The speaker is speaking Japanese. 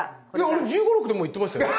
俺１５１６でもう行ってましたよ。